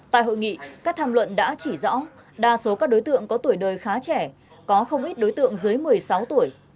tại hội nghị các tham luận đã chỉ rõ đa số các đối tượng có tuổi đời khá trẻ có không ít đối tượng dưới một mươi sáu tuổi